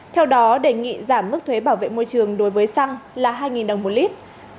theo đó đề nghị giảm mức thuế bảo vệ môi trường đối với xăng là hai đồng một lít